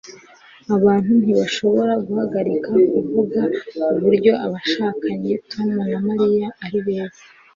abantu ntibashobora guhagarika kuvuga uburyo abashakanye tom na mariya ari beza